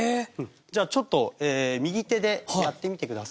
じゃあちょっと右手でやってみてください。